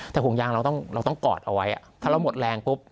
แต่ห่วงยางเราต้องกอดเอาไว้ถ้าเราหมดแรงปุ๊บ